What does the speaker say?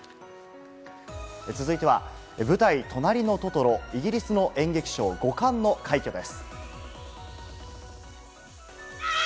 続いては舞台『となりのトトロ』、イギリスの演劇賞５冠の快挙です。